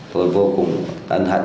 tôi vô cùng ân hận